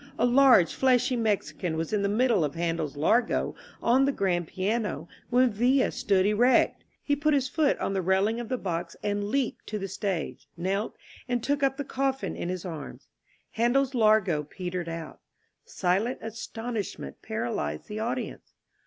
A large fleshy Mexican was in the mid dle of Handel's Largo" on the grand piano, when Villa stood erect. He put his foot on the railing of the box and leaped to the stage, knelt, and took up the coffin in his arms. Handel's "Largo" petered out. Silent astonishment paralyzed the audience.